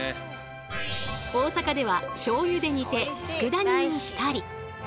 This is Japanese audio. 大阪ではしょうゆで煮てつくだ煮にしたり。